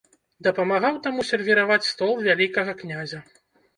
Дапамагаў таму сервіраваць стол вялікага князя.